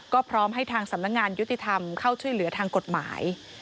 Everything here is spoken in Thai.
ก็พร้อมให้ทางสำนักงานยุติธรรมเข้าช่วยเหลือทางกฎหมาย